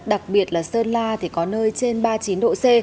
đặc biệt là sơn la thì có nơi trên ba mươi chín độ c